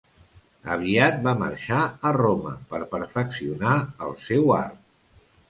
Aviat va marxar a Roma per perfeccionar el seu art.